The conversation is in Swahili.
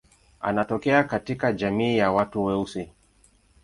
Anatokea katika jamii ya watu weusi.